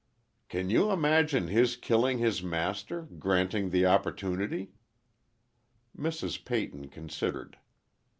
"Can you imagine his killing his master—granting the opportunity?" Mrs. Peyton considered.